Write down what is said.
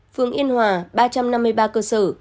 phường yên hòa ba trăm năm mươi ba cơ sở